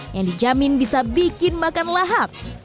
yang dijamin bisa bikin makan lahap